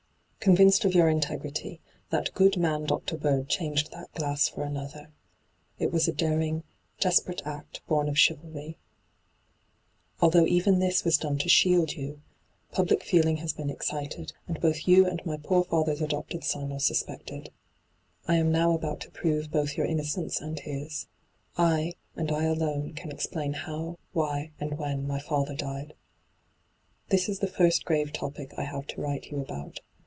Con vinced of your integrity, that good man Dr. Bird changed that glass for another. It was a daring, desperate act bom of chivalry. ' Although even this was done to shield you, public feeling has been excited, and both you and my poor father's adopted son are sus pected. ' I am now about to prove both your inno cence and his. I, and I alone, can explain how, why, and when my &ther died. ' This is the first grave topic I have to write you about.